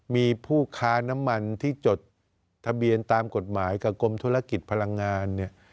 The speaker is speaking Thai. มีผู้ค้าน้ำมันที่จดทะเบียนตามกฎหมายกับกรมธุรกิจพลังงานเนี่ย